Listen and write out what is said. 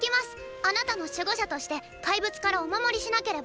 あなたの守護者として怪物からお守りしなければ。